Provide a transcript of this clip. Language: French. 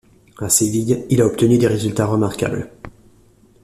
À Séville, il a obtenu des résultats remarquables.